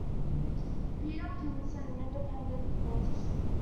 Peta Pinson, an independent politician.